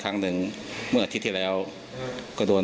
ตรงตึกเส้นทางนั้น